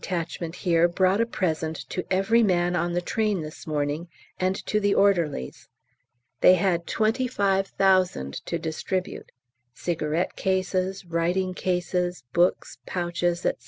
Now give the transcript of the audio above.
here brought a present to every man on the train this morning, and to the orderlies. They had 25,000 to distribute, cigarette cases, writing cases, books, pouches, &c.